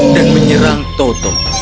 dan menyerang toto